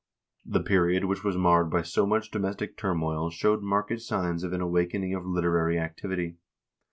The period which was marred by so much domestic turmoil showed marked signs of an awakening of literary activity.